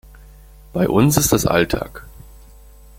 Bei uns ist das Alltag.